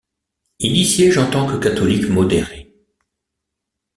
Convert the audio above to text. Il y siège en tant que catholique modéré.